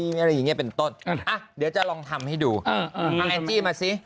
อะไรอย่างนี้เป็นต้นอ่ะเดี๋ยวจะลองทำให้ดูเอาแอนจี้มาสิ